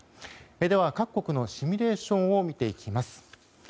では、各国のシミュレーションを見ていきます。